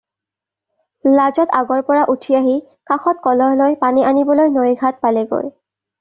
লাজত আগৰ পৰা উঠি আহি কাষত কলহ লৈ পানী আনিবলৈ নৈৰ ঘাট পালেগৈ।